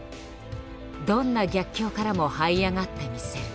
「どんな逆境からもはい上がってみせる」。